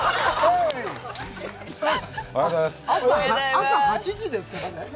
朝８時ですからね。